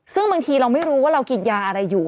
ซึ่งบางทีเราไม่รู้ว่าเรากินยาอะไรอยู่